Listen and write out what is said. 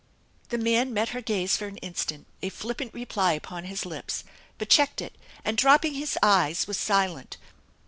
The man met her gaze for an instant, a flippant reply upon his lips, but checked it and dropping his eyes, was silent.